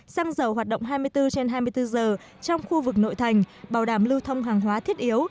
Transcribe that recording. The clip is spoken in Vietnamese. xăng dầu hoạt động hai mươi bốn trên hai mươi bốn giờ trong khu vực nội thành bảo đảm lưu thông hàng hóa thiết yếu